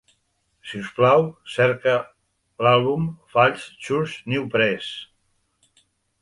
Si us plau, cerca l'àlbum Falls Church News-Press.